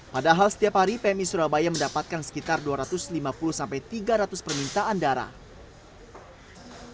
padahal setiap hari pmi surabaya mendapatkan sekitar dua ratus lima puluh tiga ratus permintaan darah